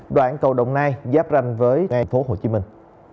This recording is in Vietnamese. đoạn cầu đồng nai giáp ranh với thành phố hồ chí minh